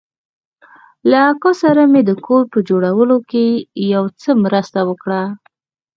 له اکا سره مې د کور په جوړولو کښې يو څه مرسته وکړه.